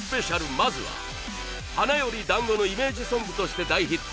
まずは『花より男子』のイメージソングとして大ヒット。